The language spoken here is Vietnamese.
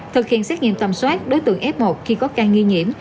thực hiện xét nghiệm tầm soát đối tượng f một khi có ca nghi nhiễm